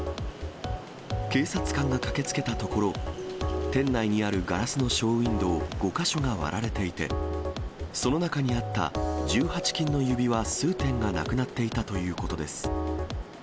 警察官が駆けつけたところ、店内にあるガラスのショーウィンドー５か所が割られていて、その中にあった１８金の指輪数点がなくなっていたということです。